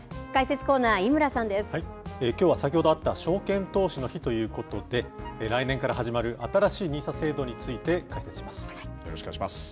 きょうは先ほどあった証券投資の日ということで、来年から始まる新しいＮＩＳＡ制度についてよろしくお願いします。